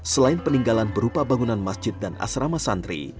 selain peninggalan berupa bangunan masjid dan asrama santri